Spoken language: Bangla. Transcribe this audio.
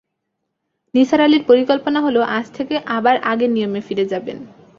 নিসার আলির পরিকল্পনা হল, আজ থেকে আবার আগের নিয়মে ফিরে যাবেন।